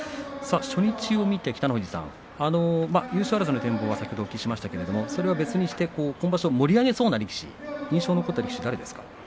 初日を見て北の富士さん優勝争いの展望は先ほどお聞きしましたが別にして今場所、盛り上げそうな力士印象に残った力士は誰ですか。